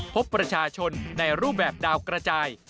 พบประชาชนในรูปแบบดาวกระจาย